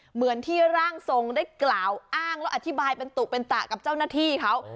เหมือนที่ร่างทรงได้กล่าวอ้างแล้วอธิบายเป็นตุเป็นตะกับเจ้าหน้าที่เขา